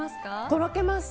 とろけます。